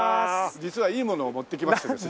実はいいものを持ってきましてですね。